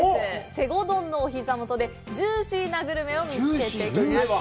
西郷どんのおひざ元でジューシーなグルメを見つけてきました。